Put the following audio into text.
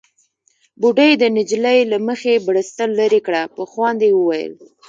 بوډۍ د نجلۍ له مخې بړستن ليرې کړه، په خوند يې وويل: